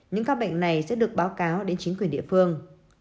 những ca bệnh này sẽ được báo cáo đến chính quyền địa phương